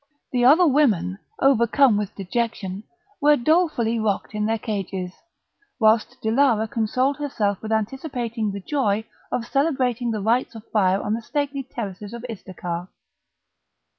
The other women, overcome with dejection, were dolefully rocked in their cages, whilst Dilara consoled herself with anticipating the joy of celebrating the rites of fire on the stately terraces of Istakar.